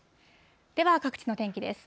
では、各地の天気です。